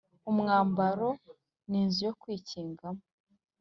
umwambaro n’inzu yo kwikingamo.